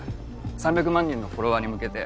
３００万人のフォロワーに向けて。